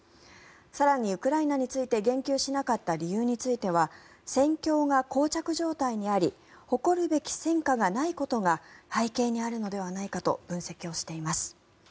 更に、ウクライナについて言及しなかった理由については戦況がこう着状態にあり誇るべき戦果がないことが背景にあるのではないかと分析をしています。